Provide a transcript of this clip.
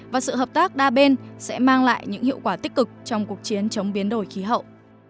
và sự hợp tác đa bên sẽ mang lại những hiệu quả tích cực trong cuộc chiến chống biến đổi khí hậu